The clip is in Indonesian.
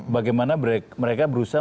bagaimana mereka berusaha